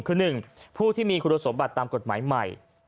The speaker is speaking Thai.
คือ๑ผู้ที่มีคุณสมบัติตามกฎหมายใหม่